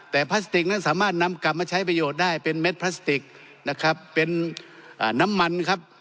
แต่พลาสติกนั้นสามารถนำกลับมาใช้ประโยชน์ได้เป็นเม็ดพลาสติกนะครับเป็นน้ำมันครับ